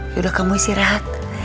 yaudah kamu isi rehat